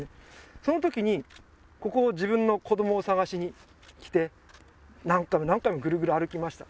その時にここを自分の子供を捜しに来て何回も何回もグルグル歩きました